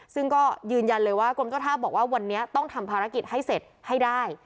ซึ่งก็ยืนยันเลยว่ากรมเจ้าท่าบอกว่าวันนี้ต้องทำภารกิจให้เสร็จให้ได้